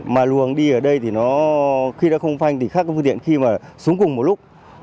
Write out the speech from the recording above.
mà luồng đi ở đây thì nó khi nó không phanh thì khác có phương tiện khi mà xuống cùng một lúc